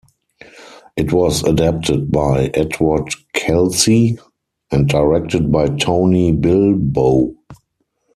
It was adapted by Edward Kelsey and directed by Tony Bilbow.